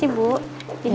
jadi kasi rindu